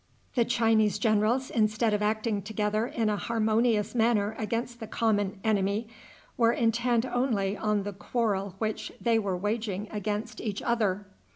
The Chinese generals, instead of acting together in a harmonious manner against the common enemy, were intent only on the quarrel which they were waging against each other.